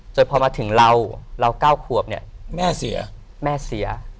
จนพอมาถึงเราเรา๙ขวบเนี่ยแม่เสียแม่เสีย